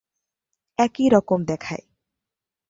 একই রকম দেখায়।